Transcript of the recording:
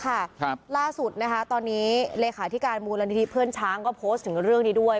ครับล่าสุดนะคะตอนนี้เลขาธิการมูลนิธิเพื่อนช้างก็โพสต์ถึงเรื่องนี้ด้วย